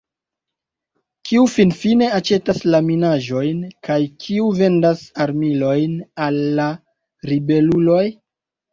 Kiu finfine aĉetas la minaĵojn kaj kiu vendas armilojn al la ribeluloj?